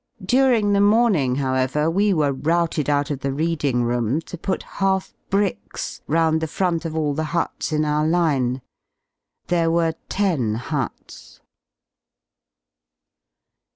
During the morning, however, we were routed out of the reading room to put half bricks round the front of all the huts in our line; there were ten huts.